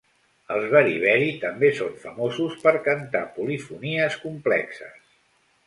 Els Beriberi també són famosos per cantar polifonies complexes.